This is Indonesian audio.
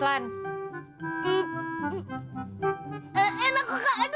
iya berg witness kak